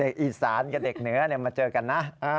อีสานกับเด็กเหนือมาเจอกันนะ